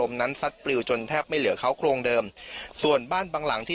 เมื่อหลังเมื่อวันนี้